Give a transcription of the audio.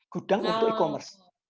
gudang untuk e commerce